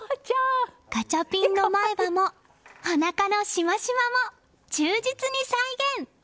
ガチャピンの前歯もおなかのしましまも忠実に再現。